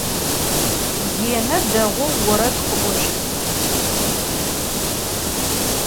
Lêne değou vored khı'oşt.